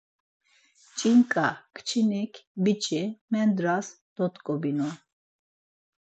Ç̌inǩa kçinik, biç̌i mendras dot̆ǩobinu.